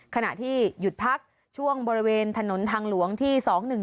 ขณะที่หยุดพักช่วงบริเวณถนนทางหลวงที่๒๑๒